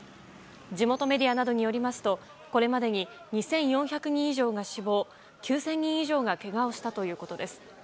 地元メディアなどによりますとこれまでに２４００人以上が死亡９０００人以上がけがをしたということです。